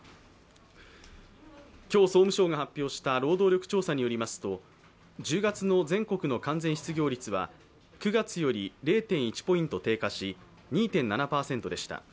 今日、総務省が発表した労働力調査によりますと１０月の全国の完全失業率は９月より０．１ポイント低下し２．７％でした。